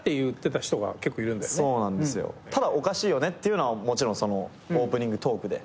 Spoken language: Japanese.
ただおかしいよねっていうのはもちろんオープニングトークではね返した。